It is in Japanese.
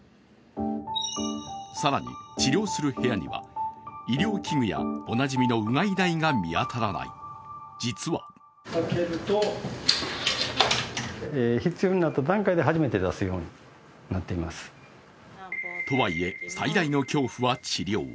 更に、治療する部屋には医療器具やおなじみのうがい台が見当たらない、実はとはいえ、最大の恐怖は治療。